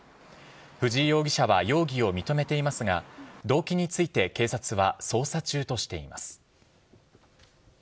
藤井容疑者は容疑を認めていますが、動機について警察は捜査中としています。